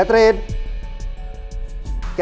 ntar gue bantu ya